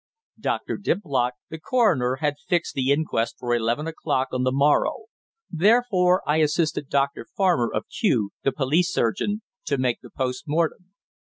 Dr. Diplock, the coroner, had fixed the inquest for eleven o'clock on the morrow; therefore I assisted Dr. Farmer, of Kew, the police surgeon, to make the post mortem.